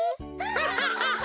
ハハハハ！